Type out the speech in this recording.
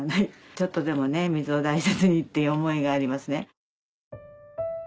ちょっとでも水を大切にっていう思いがありますね。